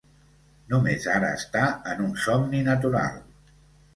Només ara està en un somni natural.